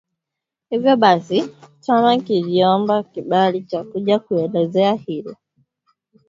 hivyo basi chama kiliomba kibali cha kuja kuelezea hilo